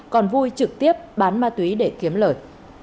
còn vui trực tiếp bán ma túy để kiếm lời